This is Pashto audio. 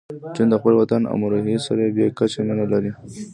جون د خپل وطن امروهې سره بې کچه مینه لرله